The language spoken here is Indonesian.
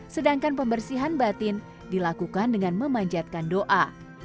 sedangkan pembersihan batin dilakukan dengan memanjatkan doa